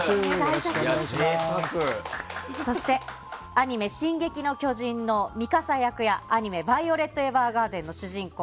そしてアニメ「進撃の巨人」のミカサ役やアニメ「ヴァイオレット・エヴァーガーデン」の主人公